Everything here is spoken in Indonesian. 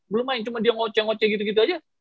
belum main cuma dia ngoce ngoceh gitu gitu aja